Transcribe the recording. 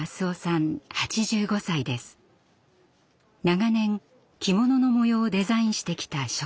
長年着物の模様をデザインしてきた職人です。